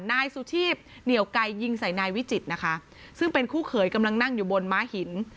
นายสุชีพเหนียวไก่ยิงใส่นายวิจิตรนะคะซึ่งเป็นคู่เขยกำลังนั่งอยู่บนม้าหิน